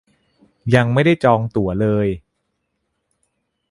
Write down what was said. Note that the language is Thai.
ยังไม่ได้จองตั๋วเลย